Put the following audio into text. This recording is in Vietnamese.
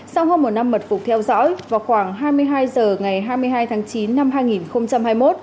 sau hơn một năm mật phục theo dõi vào khoảng hai mươi hai h ngày hai mươi hai tháng chín năm hai nghìn hai mươi một